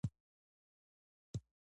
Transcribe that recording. څلورمه پوښتنه د دولت اساسي دندې بیانول دي.